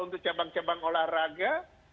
untuk cabang cabang olahraga